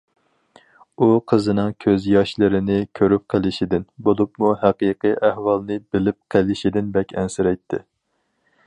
ئۇ قىزىنىڭ كۆز ياشلىرىنى كۆرۈپ قېلىشىدىن، بولۇپمۇ ھەقىقىي ئەھۋالنى بىلىپ قېلىشىدىن بەك ئەنسىرەيتتى.